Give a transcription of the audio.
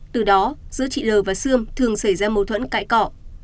từ đó giữa chị l và sươm thường xảy ra mâu thuẫn cãi cọ